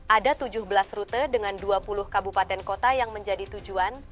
ada tujuh belas rute dengan dua puluh kabupaten kota yang menjadi tujuan